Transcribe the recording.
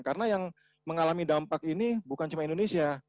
karena yang mengalami dampak ini bukan cuma indonesia